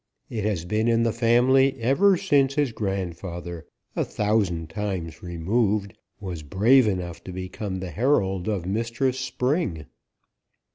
It has been in the family ever since his grandfather a thousand times removed was brave enough to become the herald of Mistress Spring."